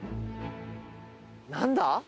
何だ？